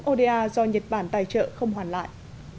oda do nhật bản tài trợ không hoàn lại